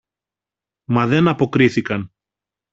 Μα δεν αποκρίθηκαν.